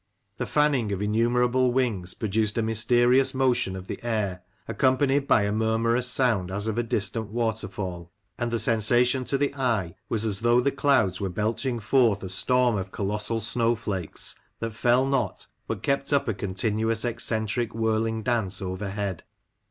The fanning of innumerable wings produced a mysterious motion of the air, accompanied by a murmurous sound as of a distant waterfall ; and the sensa tion to the eye was as though the clouds were belching forth a storm of colossal snow flakes, that fell not, but kept up a continuous, eccentric, whirling dance overhead.